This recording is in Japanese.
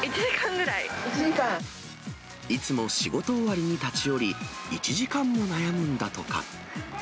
いつも仕事終わりに立ち寄り、１時間も悩むんだとか。